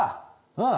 うん。